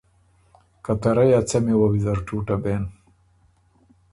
که ته رئ ا څمی وه ویزر ټُوټه بېن۔